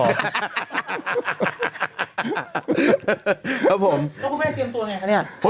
แล้วให้พี่อัศวิสาตุเตรียมตัวอย่างไร